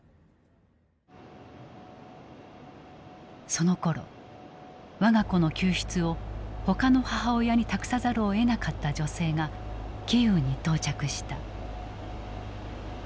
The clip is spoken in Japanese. そのころ我が子の救出をほかの母親に託さざるをえなかった女性がキーウに到着した。